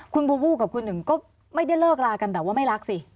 คุณบูบูกับคุณหนึ่งก็ไม่ได้เลิกลากันแบบว่าไม่รักสิ